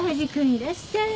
いらっしゃい。